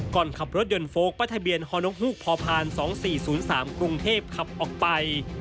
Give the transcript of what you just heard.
ขับรถยนต์โฟลกป้ายทะเบียนฮอนกฮูกพพ๒๔๐๓กรุงเทพขับออกไป